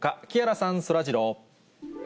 木原さん、そらジロー。